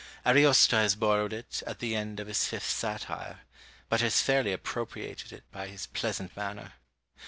Ariosto has borrowed it, at the end of his fifth Satire; but has fairly appropriated it by his pleasant manner.